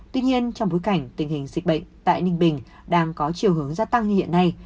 tuy nhiên trong bối cảnh tình hình dịch bệnh tại ninh bình đang có chiều hướng gia tăng như hiện nay